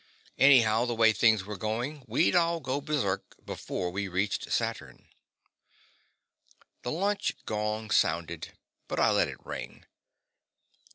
Anyhow, the way things were going, we'd all go berserk before we reached Saturn. The lunch gong sounded, but I let it ring.